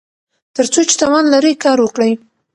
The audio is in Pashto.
تر څو چې توان لرئ کار وکړئ.